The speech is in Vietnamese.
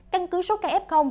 căn cứ số ca f